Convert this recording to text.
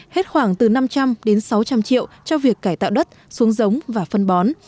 hết khoảng từ năm trăm linh đến sáu trăm linh triệu cho việc cải tạo đất xuống giống và phân bón